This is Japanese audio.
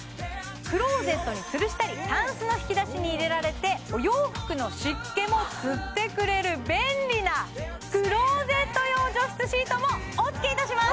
クローゼットにつるしたりたんすの引き出しに入れられてお洋服の湿気も吸ってくれる便利なクローゼット用除湿シートもおつけいたします！